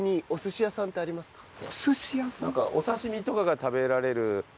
なんかお刺し身とかが食べられる。